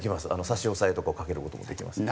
差し押さえとかをかける事もできます。